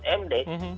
perlu ada perbincangan